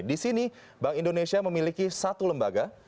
disini bank indonesia memiliki satu lembaga